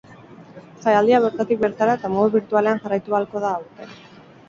Jaialdia bertatik bertara eta modu birtualean jarraitu ahalko da aurten.